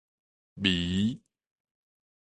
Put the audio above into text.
微